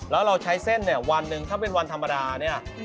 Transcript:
แล้วเราใช้เส้นเนี่ยวันหนึ่งถ้าเป็นวันธรรมดาเนี่ย